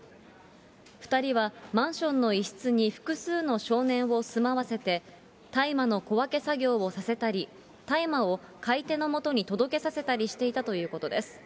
２人はマンションの一室に複数の少年を住まわせて、大麻の小分け作業をさせたり、大麻を買い手のもとに届けさせたりしていたということです。